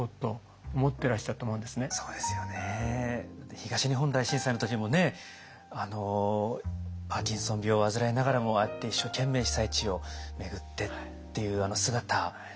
東日本大震災の時にもパーキンソン病を患いながらもああやって一生懸命被災地を巡ってっていうあの姿。